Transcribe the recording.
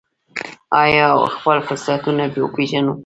آیا او خپل فرصتونه وپیژنو؟